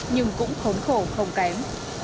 nhưng cũng khốn khổ không kém